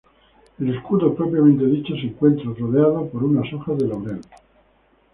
El escudo propiamente dicho se encuentra rodeado por unas hojas de laurel.